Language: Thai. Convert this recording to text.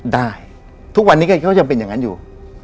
ได้ทุกวันนี้ก็ยังเป็นอย่างนั้นอยู่